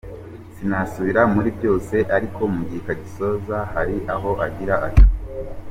Sinasubira muri byose ariko mu gika gisoza hari aho agira ati :